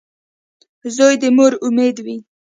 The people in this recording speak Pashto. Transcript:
• زوی د مور امید وي.